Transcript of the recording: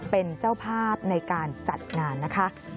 เป็นเจ้าภาพในการจัดงานนะคะ